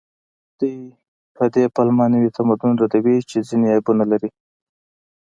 دوی په دې پلمه نوي تمدن ردوي چې ځینې عیبونه لري